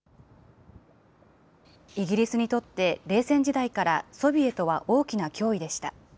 イギリスにとって、冷戦時代からソビエトは大きな脅威でした。